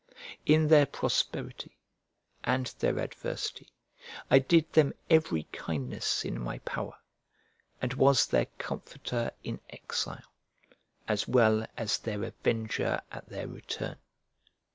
In their prosperity and their adversity I did them every kindness in my power, and was their comforter in exile, as well as their avenger at their return.